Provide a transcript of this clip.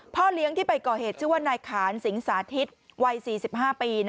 เลี้ยงที่ไปก่อเหตุชื่อว่านายขานสิงสาธิตวัย๔๕ปี